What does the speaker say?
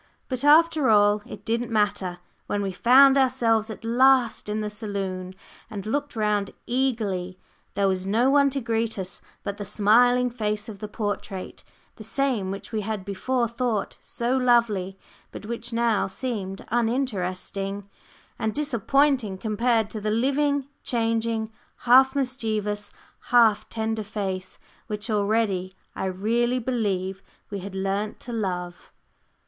But after all, it didn't matter. When we found ourselves at last in the saloon, and looked round eagerly, there was no one to greet us, but the smiling face of the portrait the same which we had before thought so lovely, but which now seemed uninteresting and disappointing compared to the living, changing, half mischievous, half tender face, which already I really believe we had learnt to love.